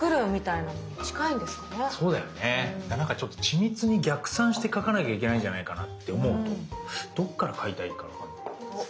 なんかちょっと緻密に逆算して描かなきゃいけないんじゃないかなって思うとどっから描いたらいいか分かんない。